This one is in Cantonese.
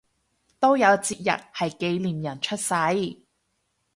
都有節日係紀念人出世